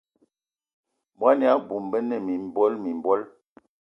Bɔn ya abum, bə nə mimbɔl mimbɔl.